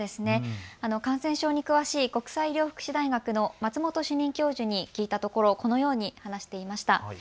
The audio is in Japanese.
感染症に詳しい国際医療福祉大学の松本主任教授に聞いたところこのように話していました。